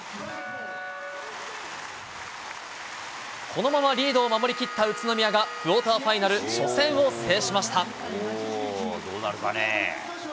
このままリードを守りきった宇都宮が、クオーターファイナル初戦どうなるかね。